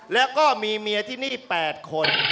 แล้วก็มีเมียที่นี่๘คน